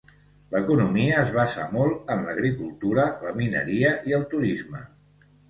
L'economia es basa molt en l'agricultura, la mineria i el turisme.